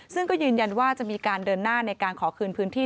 ซึ่งก็ยืนยันว่าจะมีการเดินหน้าในการขอคืนพื้นที่